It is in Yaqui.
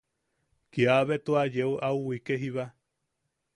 Kiabea tua yee au wike jiba.